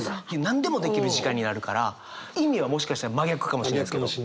何でもできる時間になるから意味はもしかしたら真逆かもしれないですけど。